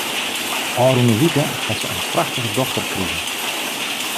Ofrûne wike hat se in prachtige dochter krigen.